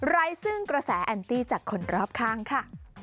ไร้ซึ่งกระแสแอนตี้จากคนรอบข้างค่ะ